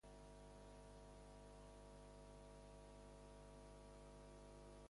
Pertany al moviment independentista el Valenti?